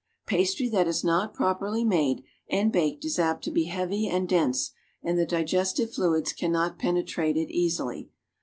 Pastry that is not properly made and baked is apt to be heavy and dense and the digestive fluids cannot penetrate it easily.